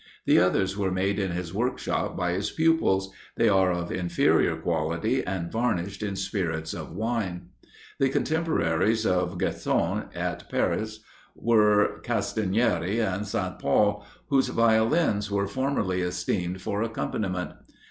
The others were made in his workshop by his pupils; they are of inferior quality, and varnished in spirits of wine. The contemporaries of Guersan at Paris were Castagnery and Saint Paul, whose Violins were formerly esteemed for accompaniment.